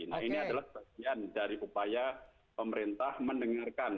nah ini adalah bagian dari upaya pemerintah mendengarkan